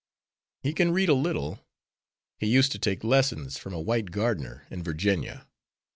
He can read a little. He used to take lessons from a white gardener in Virginia.